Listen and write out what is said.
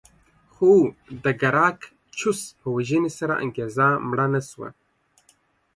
خو د ګراکچوس په وژنې سره انګېزه مړه نه شوه